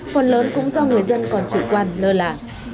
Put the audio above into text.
phần lớn cũng do người dân còn chửi quan lơ lạ